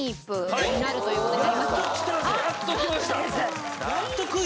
やっと来ました！